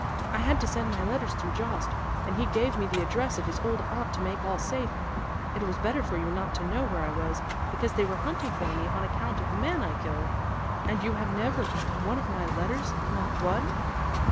I had to send my letters through Jost, and he gave me the address of his old aunt to make all safe. It was better for you not to know where I was, because they were hunting for me on account of the man I killed. And you have never got one of my letters; not one?"